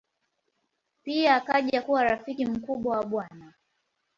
Pia akaja kuwa rafiki mkubwa wa Bw.